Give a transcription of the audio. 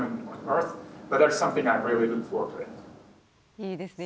いいですね